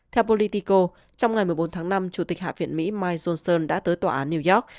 theo politico trong ngày một mươi bốn tháng năm chủ tịch hạ viện mỹ mike johnson đã tới tòa án new york